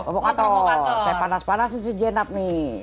provokator saya panas panasin si jenab nih